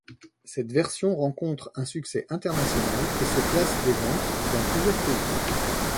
Cette version rencontre un succès international et se classe des ventes dans plusieurs pays.